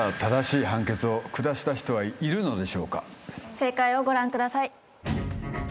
正解をご覧ください。